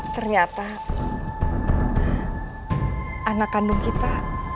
ternyata anak kandung kita